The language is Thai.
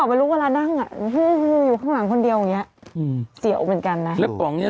ไม่รู้เวลานั่งอยู่ข้างหลังคนเดียวอย่างงี้